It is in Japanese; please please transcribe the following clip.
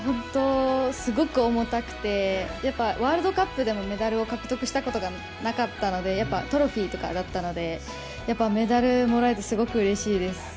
すごく重たくて、ワールドカップでもメダルを獲得したことがなかったので、トロフィーとかだったのでメダルもらえてすごくうれしいです。